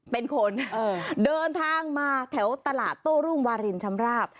เป็นคนเดินทางมาแถวตลาดโต้รุ่งวารินชำราบ